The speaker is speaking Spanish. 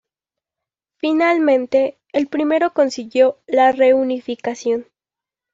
Finalmente, el primero consiguió la reunificación.